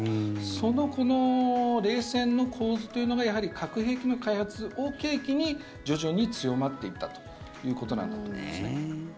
その冷戦の構図というのがやはり核兵器の開発を契機に徐々に強まっていったということなんだと思いますね。